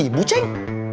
lima ribu ceng